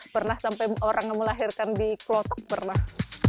pernah sampai orang yang melahirkan diklotok pernah